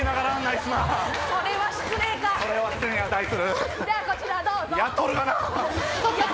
ではこちらどうぞ。